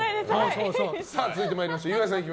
続いて参りましょう、岩井さん。